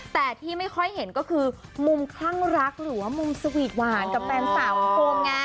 แต่ที่ไม่ค่อยเห็นก็คือมุมคลั่งรักหรือว่ามุมสวีทหวานกับแฟนสาวของโฟมไง